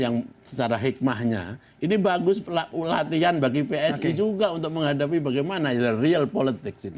yang secara hikmahnya ini bagus latihan bagi psi juga untuk menghadapi bagaimana real politics ini